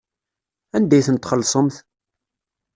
Anda ay tent-txellṣemt?